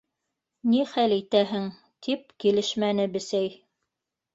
—Ни хәл итәһең, —тип килешмәне Бесәй.